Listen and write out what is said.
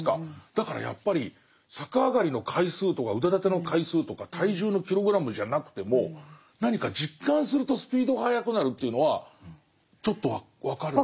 だからやっぱり逆上がりの回数とか腕立ての回数とか体重のキログラムじゃなくても何か実感するとスピードが速くなるというのはちょっと分かる。